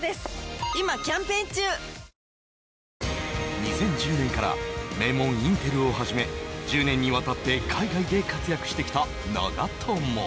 ２０１０年から名門・インテルをはじめ１０年にわたって海外で活躍してきた長友。